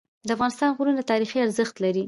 د افغانستان غرونه تاریخي ارزښت لري.